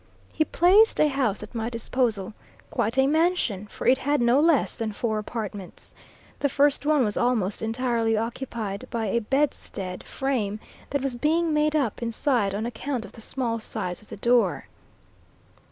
He placed a house at my disposal, quite a mansion, for it had no less than four apartments. The first one was almost entirely occupied by a bedstead frame that was being made up inside on account of the small size of the door.